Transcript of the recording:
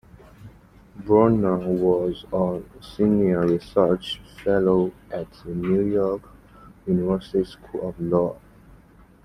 Bruner was a senior research fellow at the New York University School of Law.